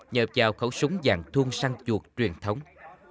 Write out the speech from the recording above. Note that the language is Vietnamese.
nhờ vào khẩu súng dạng thun săn chuột truyền thống